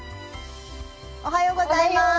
おはようございます。